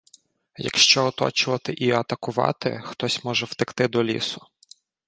Якщо оточувати й атакувати — хтось може втекти до лісу.